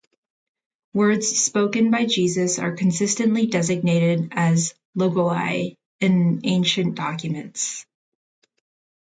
Words spoken by Jesus are consistently designated as "logoi" in ancient documents.